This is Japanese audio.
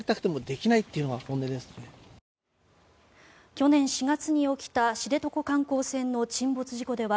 去年４月に起きた知床観光船の沈没事故では